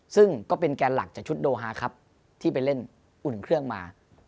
ซึ่งก็เป็นแกนหลักจากชุดโดฮาครับที่ไปเล่นอุ่นเครื่องมา